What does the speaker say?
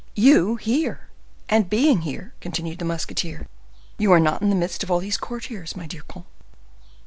"You here!—and being here," continued the musketeer, "you are not in the midst of all these courtiers, my dear comte!